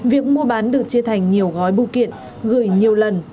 việc mua bán được chia thành nhiều gói bưu kiện gửi nhiều lần